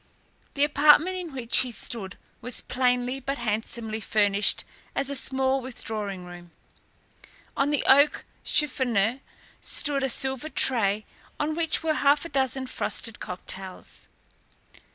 The apartment in which he stood was plainly but handsomely furnished as a small withdrawing room. On the oak chiffonier stood a silver tray on which were half a dozen frosted cocktails.